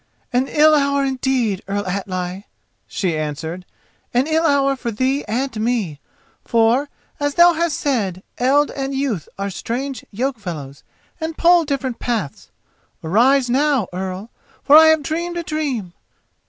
"In an ill hour indeed, Earl Atli," she answered, "an ill hour for thee and me, for, as thou hast said, eld and youth are strange yokefellows and pull different paths. Arise now, Earl, for I have dreamed a dream."